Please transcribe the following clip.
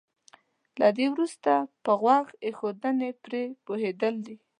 له دې وروسته په غوږ ايښودنې پرې پوهېدل دي.